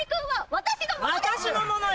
私のものよ。